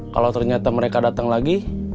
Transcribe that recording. kalau ternyata mereka datang lagi